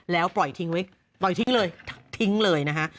แล้วปล่อยทิ้งไว้ปล่อยทิ้งเลยทิ้งเลยนะฮะ